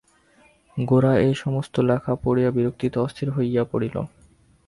গোরা এই-সমস্ত লেখা পড়িয়া বিরক্তিতে অস্থির হইয়া পড়িল।